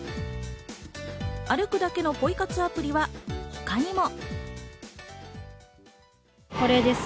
歩くだけのポイ活アプリは他にも。